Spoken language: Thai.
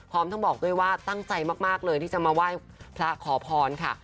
พร้อมทั้งบอกด้วยว่าตั้งใจมากเลยที่จะมาไหว้พระขอพรค่ะ